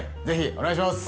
お願いします